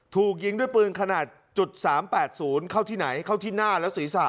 ถูกยิงด้วยปืนขนาดจุดสามแปดศูนย์เข้าที่ไหนเข้าที่หน้าแล้วศรีษะ